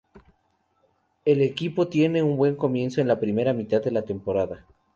El equipo tiene un buen comienzo en la primera mitad de la temporada.